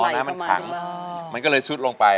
น้ามันเขิงบลอย